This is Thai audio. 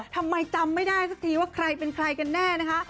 ทำไมจำไม่ได้สักทีว่าใครเป็นใครกันแน่นะคะ